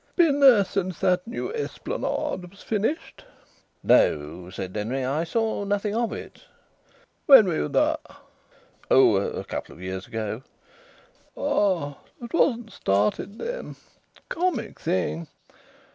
"Been there since that new esplanade was finished?" "No," said Denry. "I saw nothing of it." "When were you there?" "Oh! A couple of years ago." "Ah! It wasn't started then. Comic thing!